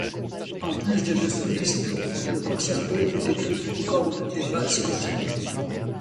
En plus des deux solistes, le concerto est écrit pour cordes et basse continue.